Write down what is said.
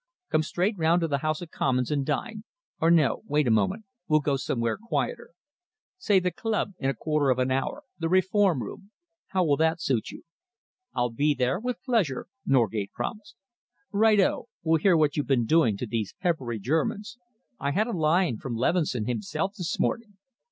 "Come straight round to the House of Commons and dine. Or no wait a moment we'll go somewhere quieter. Say the club in a quarter of an hour the Reform Club. How will that suit you?" "I'll be there, with pleasure," Norgate promised. "Righto! We'll hear what you've been doing to these peppery Germans. I had a line from Leveson himself this morning.